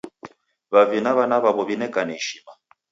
W'avi na w'ana w'awo w'inekane ishima